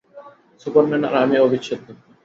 Superman আর আমি অবিচ্ছেদ্য।